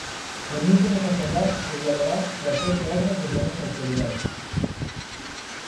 Permítenos afondar e dialogar coa propia obra desde a nosa actualidade.